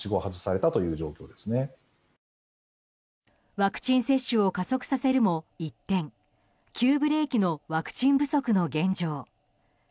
ワクチン接種を加速させるも一転急ブレーキのワクチン不足の現状。